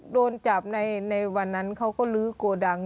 โดนจับในวันนั้นเขาก็ลื้อโกดัง